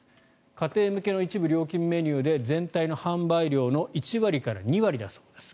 家庭向けの一部料金メニューで全体の販売量の１割から２割だそうです。